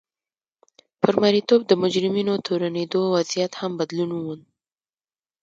پر مریتوب د مجرمینو تورنېدو وضعیت هم بدلون وموند.